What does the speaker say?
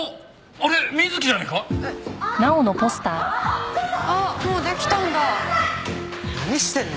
あっもうできたんだ。